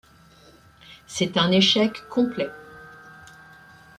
C'est un échec complet.